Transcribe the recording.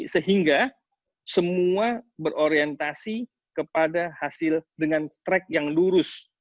sehingga semua berorientasi kepada hasil dengan track yang lurus